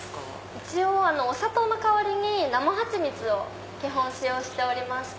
一応お砂糖の代わりに生蜂蜜を基本使用しておりまして。